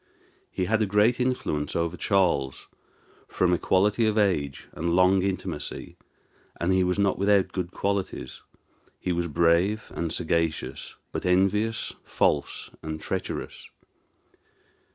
He had great influence over Charles, from equality of age and long intimacy; and he was not without good qualities: he was brave and sagacious, but envious, false, and treacherous.